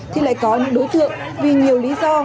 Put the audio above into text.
thì lại có những đối tượng vì nhiều lý do